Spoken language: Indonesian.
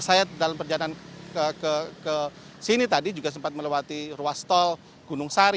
saya dalam perjalanan ke sini tadi juga sempat melewati ruas tol gunung sari